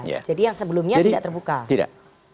jadi yang sebelumnya tidak terbuka tidak